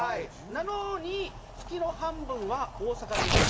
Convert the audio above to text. なのに月の半分は大阪にいます。